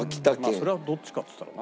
それはどっちかっつったらな。